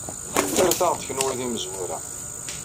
Rret-aɣ-d kenwi d imezwura.